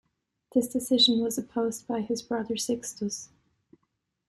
This decision was opposed by his brother Sixtus.